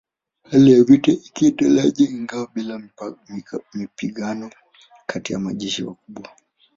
Hali ya vita ikaendelea ingawa bila mapigano kati ya majeshi makubwa.